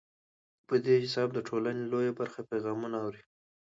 په دې حساب د ټولنې لویه برخه پیغامونه اوري.